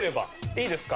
いいですか？